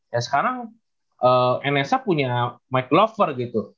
ya sekarang nsa punya mike lover gitu